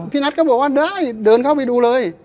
นัทก็บอกว่าได้เดินเข้าไปดูเลย